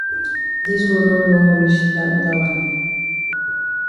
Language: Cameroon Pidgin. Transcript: Dis road no long reach dat oda wan.